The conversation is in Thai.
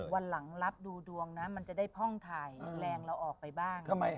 วันลาก่อนที่ไปดูดวงนะมันจะได้ภ่องไหล่งแล้วออกไปบ้าง